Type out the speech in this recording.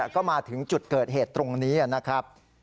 ก็มาถึงจุดเกิดเหตุตรงนี้นะครับ